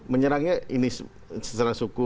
menyerangnya ini secara suku